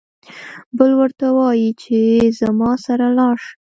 بل ورته وايي چې زما سره لاړ شه.